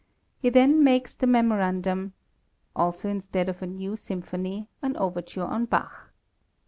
He then makes the memorandum, "also instead of a new Symphony, an overture on Bach."